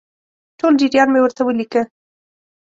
ټول جریان مې ورته ولیکه.